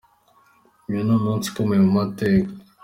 Uyu ni umunsi ukomeye mu mateka.